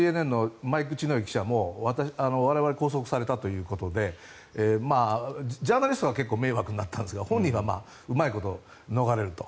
ＣＮＮの記者も我々、拘束されたということでジャーナリストは結構迷惑になったんですが本人はうまいこと逃れると。